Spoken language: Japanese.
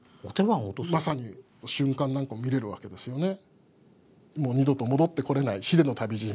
まさに瞬間なんかも見れるわけですよね。